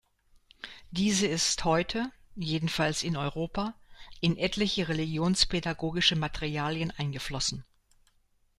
Diese ist heute, jedenfalls in Europa, in etliche religionspädagogische Materialien eingeflossen.